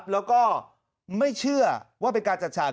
แล้วก็ไม่เชื่อว่าเป็นการจัดฉาก